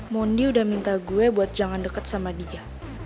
mondi udah minta gue buat jangan dekat sama dia